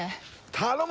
頼む！